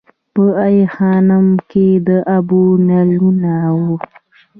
په ای خانم کې د اوبو نلونه وو